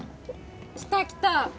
来た来た。